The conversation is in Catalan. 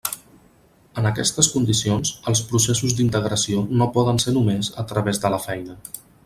En aquestes condicions, els processos d'integració no poden ser només a través de la feina.